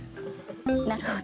なるほど。